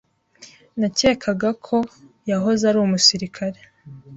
Nakekaga ko yahoze ari umusirikare.